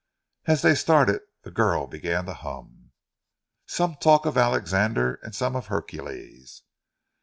As they started the girl began to hum: "Some talk of Alexander And some of Hercules."